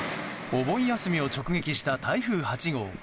お盆休みを直撃した台風８号。